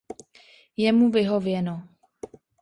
Je mu vyhověno.